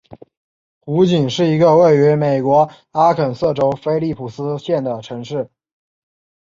湖景是一个位于美国阿肯色州菲利普斯县的城市。